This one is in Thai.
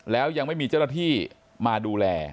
แล้วยังไม่มีเจ้าหน้าที่มาดูแล